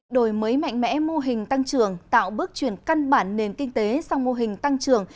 đổi mới mạnh mẽ mô hình tăng trưởng tạo bước chuyển căn bản nền kinh tế sang mô hình tăng trưởng